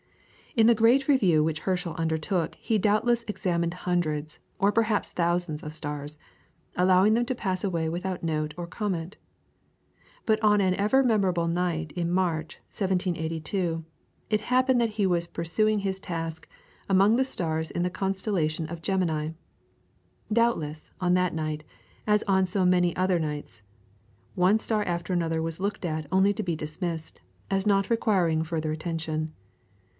In the great review which Herschel undertook he doubtless examined hundreds, or perhaps thousands of stars, allowing them to pass away without note or comment. But on an ever memorable night in March, 1782, it happened that he was pursuing his task among the stars in the Constellation of Gemini. Doubtless, on that night, as on so many other nights, one star after another was looked at only to be dismissed, as not requiring further attention.